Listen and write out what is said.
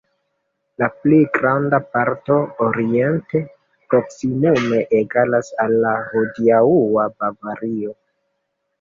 La pli granda parto, oriente, proksimume egalas al la hodiaŭa Bavario.